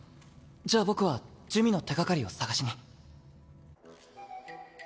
じゃあ僕は珠魅の手がかりを探しに。